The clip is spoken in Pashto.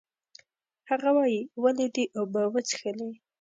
هغه وایي، ولې دې اوبه وڅښلې؟